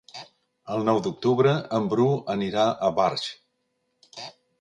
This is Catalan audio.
El nou d'octubre en Bru anirà a Barx.